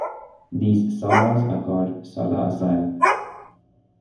These salas are called "sala asai".